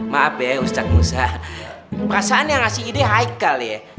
maaf ya ustadz musa perasaan yang ngasih ide hikal ya